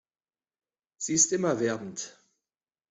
Sie ist immer werbend.